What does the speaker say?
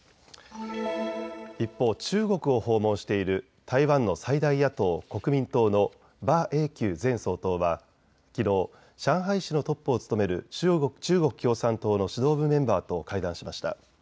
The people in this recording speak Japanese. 一方、中国を訪問している台湾の最大野党・国民党の馬英九前総統はきのう上海市のトップを務める中国共産党の指導部メンバーと会談しました。